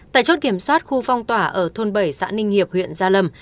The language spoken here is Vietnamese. tại chốt kiểm soát khu phong tỏa ở thôn bảy xã ninh hiệp huyện gia lâm